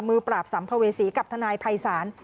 ปราบสัมภเวษีกับทนายภัยศาล